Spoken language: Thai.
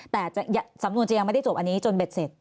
แต่สำนวนจะยังไม่ได้จบอันนี้จนเบ็ดเสร็จ